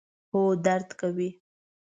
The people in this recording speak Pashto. هو، درد کوي